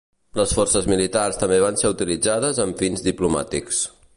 Les forces militars també van ser utilitzades amb fins diplomàtics.